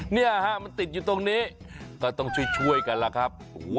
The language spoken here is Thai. เนี่ยฮะมันติดอยู่ตรงนี้ก็ต้องช่วยกันล่ะครับ